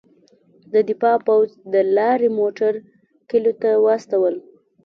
د دفاع پوځ د لارۍ موټر کلیو ته واستول.